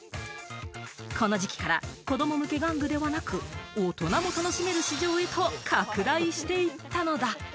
この時期から子ども向け玩具ではなく、大人も楽しめる市場へと拡大していったのだ。